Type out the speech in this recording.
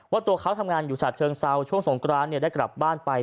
ตัวเขาทำงานอยู่ฉาเชิงเซาช่วงสงกรานได้กลับบ้านไป